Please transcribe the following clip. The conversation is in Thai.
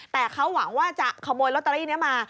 แต่เขาหวังว่าจะขโมยลอตเตอรี่นี้มา